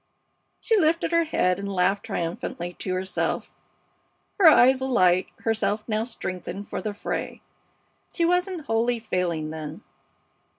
She lifted up her head and laughed triumphantly to herself, her eyes alight, herself now strengthened for the fray. She wasn't wholly failing, then?